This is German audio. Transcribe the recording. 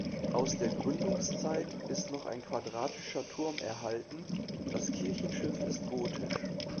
Aus der Gründungszeit ist noch ein quadratischer Turm erhalten, das Kirchenschiff ist gotisch.